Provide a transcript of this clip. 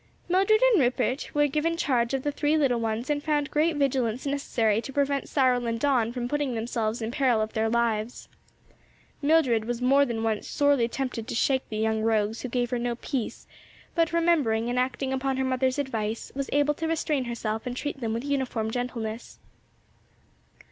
Mildred and Rupert were given charge of the three little ones and found great vigilance necessary to prevent Cyril and Don from putting themselves in peril of their lives. Mildred was more than once sorely tempted to shake the young rogues who gave her no peace; but, remembering and acting upon her mother's advice, was able to restrain herself and treat them with uniform gentleness.